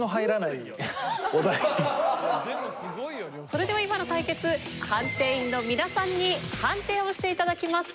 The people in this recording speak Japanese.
それでは今の対決判定員の皆さんに判定をしていただきます。